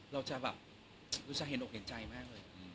เราจะเห็นอกเห็นใจมากเลย